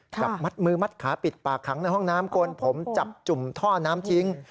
จับมัดมือมัดขาปิดปากขังในห้องน้ำโกนผมจับจุ่มท่อน้ำทิ้ง